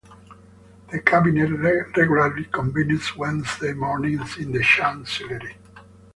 The cabinet regularly convenes Wednesday mornings in the Chancellery.